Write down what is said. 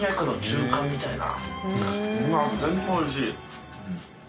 全部おいしい。